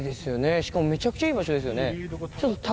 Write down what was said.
しかもめちゃくちゃいい場所ですよね。